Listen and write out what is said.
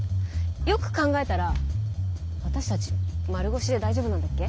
よく考えたら私たち丸腰で大丈夫なんだっけ？